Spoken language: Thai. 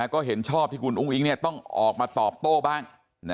ก็เห็นชอบที่คุณอุ้งอิ๊งต้องออกมาตอบโต้บ้าง